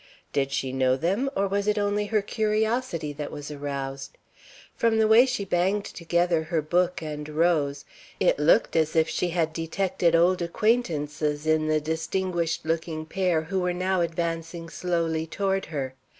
Did she know them, or was it only her curiosity that was aroused? From the way she banged together her book and rose, it looked as if she had detected old acquaintances in the distinguished looking pair who were now advancing slowly toward her.